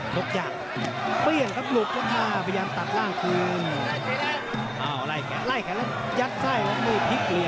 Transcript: ดังกับสุขโคลนักศึกมียุคสอบทันยาบุหรี่